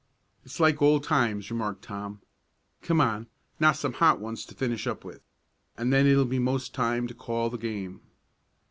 "It's like old times," remarked Tom. "Come on, now some hot ones to finish up with, and then it'll be most time to call the game."